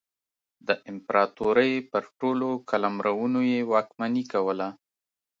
د امپراتورۍ پر ټولو قلمرونو یې واکمني کوله.